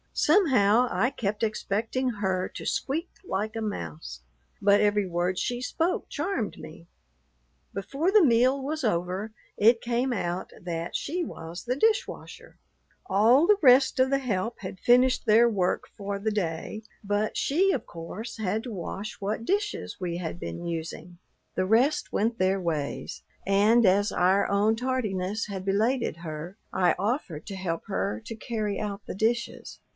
Somehow I kept expecting her to squeak like a mouse, but every word she spoke charmed me. Before the meal was over it came out that she was the dish washer. All the rest of the help had finished their work for the day, but she, of course, had to wash what dishes we had been using. The rest went their ways; and as our own tardiness had belated her, I offered to help her to carry out the dishes.